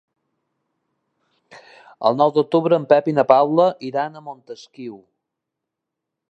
El nou d'octubre en Pep i na Paula iran a Montesquiu.